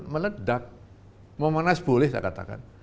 meledak memanas boleh saya katakan